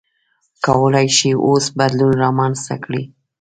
کولای شئ اوس بدلون رامنځته کړئ.